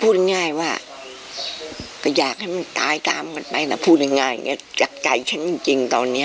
พูดง่ายแบบก็อยากให้มันตายตามกันไปก็ถือกอยากจ่ายชั้นจริงตอนนี้